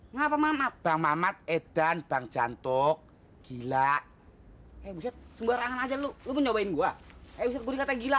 ngapa mamat bang mamat edan bang jantok gila eh sebarangan aja lu lu nyobain gua eh gue kata gila